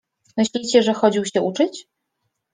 Myślicie, że chodził się uczyć?